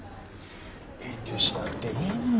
遠慮しなくていいのに。